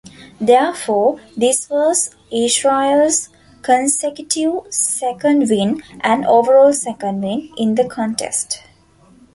Therefore, this was Israel's consecutive second win, and overall second win, in the contest.